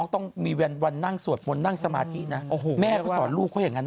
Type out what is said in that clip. ต้องมีวันนั่งซวดวนนั่งสมาธิแม่เค้าสอนลูกเคยอย่างนั้น